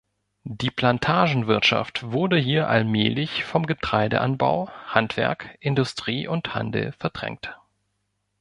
Die Plantagenwirtschaft wurde hier allmählich von Getreideanbau, Handwerk, Industrie und Handel verdrängt.